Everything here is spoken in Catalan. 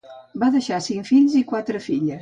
Va deixar cinc fills i quatre filles.